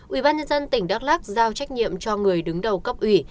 ubnd tỉnh đắk lắc giao trách nhiệm cho người đứng đầu cấp ủy